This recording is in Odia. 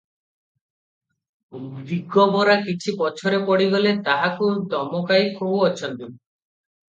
ଦିଗବାର କିଛି ପଛରେ ପଡ଼ିଗଲେ ତାହାକୁ ଧମକାଇ କହୁ ଅଛନ୍ତି